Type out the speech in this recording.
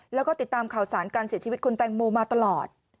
แล้วก็ติดตามข่าวสารการเสียชีวิตคุณแตงโมมาตลอด